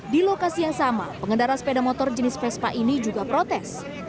di lokasi yang sama pengendara sepeda motor jenis vespa ini juga protes